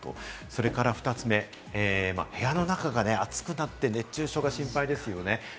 それから２つ目、部屋の中が暑くなって、熱中症が心配ですよね。